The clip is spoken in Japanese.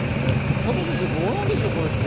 佐藤先生、どうなんでしょう？